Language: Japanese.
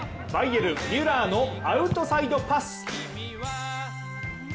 バイエルン、ミュラーのアウトサイドパス。